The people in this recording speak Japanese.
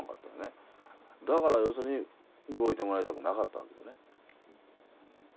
だから要するに動いてもらいたくなかったんだよね。